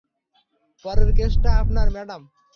পরের কেসটা আপনার, ম্যাডাম।